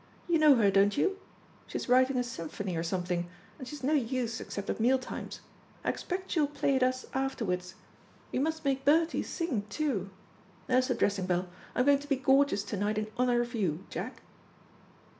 You know her, don't you? She's writing a symphony or something, and she's no use except at meal times. I expect she will play it us afterwards. We must make Bertie sing too. There's the dressing bell. I'm going to be gorgeous to night in honour of you, Jack."